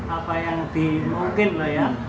apa yang di mungkin lah ya